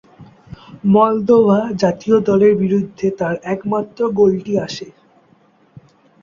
Moldova জাতীয় দলের বিরুদ্ধে তার একমাত্র গোলটি আসে।